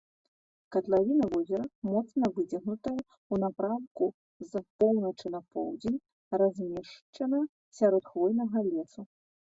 Катлавіна возера моцна выцягнутая ў напрамку з поўначы на поўдзень, размешчана сярод хвойнага лесу.